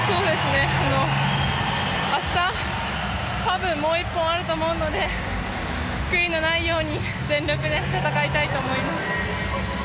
明日、多分もう１本あると思うので悔いのないように全力で戦いたいと思います。